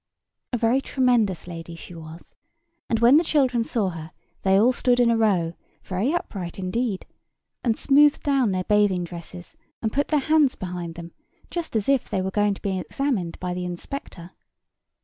A very tremendous lady she was; and when the children saw her they all stood in a row, very upright indeed, and smoothed down their bathing dresses, and put their hands behind them, just as if they were going to be examined by the inspector.